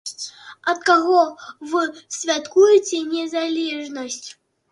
Ад каго вы святкуеце незалежнасць?